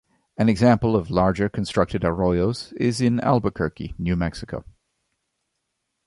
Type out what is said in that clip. An example of larger constructed arroyos is in Albuquerque, New Mexico.